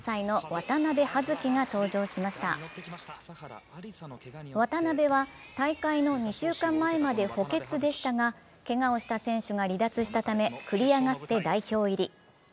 渡部は大会の２週間前まで補欠でしたがけがをした選手が離脱をしたため繰り上がって代表入り。